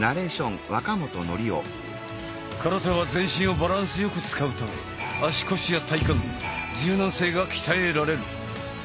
空手は全身をバランスよく使うため足腰や体幹柔軟性が鍛えられる。